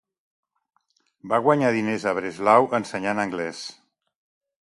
Va guanyar diners a Breslau ensenyant anglès.